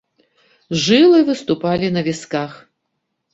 Жылы выступалі на вісках.